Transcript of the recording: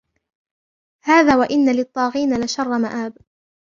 هَذَا وَإِنَّ لِلطَّاغِينَ لَشَرَّ مَآبٍ